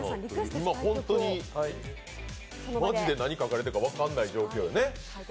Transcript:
マジで何書かれてるか分からない状況よね。